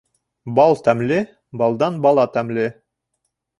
Бал тәмле, балдан бала тәмле.